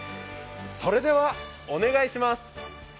それでは、お願いします。